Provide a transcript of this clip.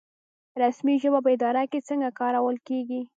رسمي ژبې په اداره کې څنګه کارول کیږي؟